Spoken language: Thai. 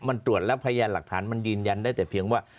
มันตรวจแล้วพยานหลักฐานมันยืนยันได้แต่เพียงว่า